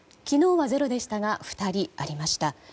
昨日はゼロでしたが２人ありました。